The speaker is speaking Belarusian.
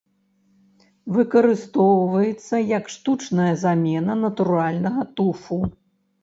Выкарыстоўваецца як штучная замена натуральнага туфу.